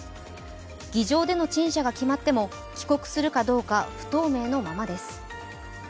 議場での陳謝が決まっても帰国するかどうか不透明のままです。